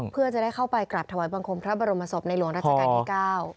เพื่อจะได้เข้าไปกราบถวายบังคมพระบรมศพในหลวงราชการที่๙